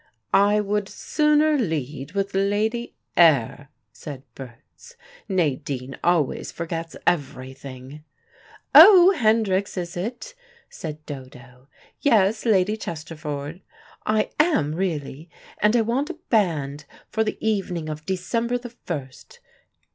"I would sooner lead with Lady Ayr," said Berts. "Nadine always forgets everything " "Oh, Hendrick's, is it?" said Dodo. "Yes, Lady Chesterford. I am really, and I want a band for the evening of December the first.